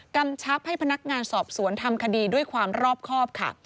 กำชับให้พนักงานสอบสวนทำคดีด้วยความรอบครอบค่ะ